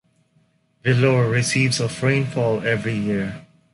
Vellore receives of rainfall every year.